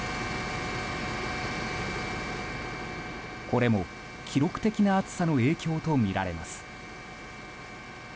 これも記録的な暑さの影響とみられます。